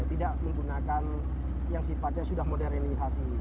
tidak menggunakan yang sifatnya sudah modernisasi